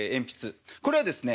これはですね